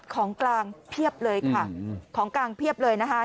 ของกลางเพียบเลยค่ะของกลางเพียบเลยนะคะ